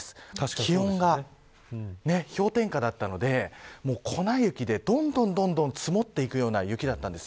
気温が氷点下だったので粉雪で、どんどん積もっていくような雪でした。